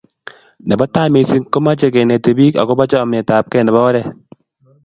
nebo tai missing, komeche keneti biik agoba chemetgei nebo oret